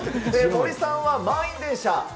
森さんは満員電車。